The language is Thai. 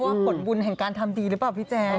ก็เพราะว่าผลบุญถ้างานทำดีหรือเปล่าพี่แจน